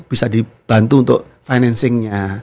bisa dibantu untuk financingnya